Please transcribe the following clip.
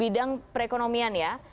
bidang perekonomian ya